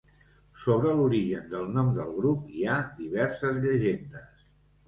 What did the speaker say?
Sobre l'origen del nom del grup hi ha diverses llegendes.